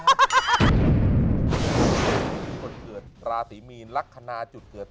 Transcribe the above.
คนเกิดราศีมีนลักษณะจุดเกิด